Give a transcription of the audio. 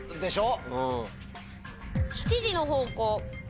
７時の方向。